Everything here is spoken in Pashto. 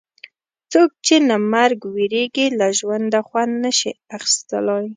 څوک چې له مرګ وېرېږي له ژونده خوند نه شي اخیستلای.